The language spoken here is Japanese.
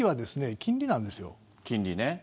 金利ね。